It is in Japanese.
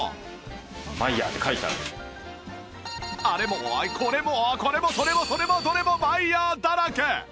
あれもこれもこれもそれもそれもどれもマイヤーだらけ！